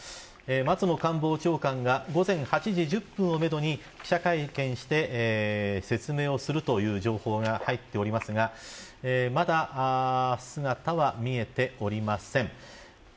松野官房長官が午前８時１０分をめどに記者会見して説明をするという情報が入っておりますがまだ姿は見えておりません。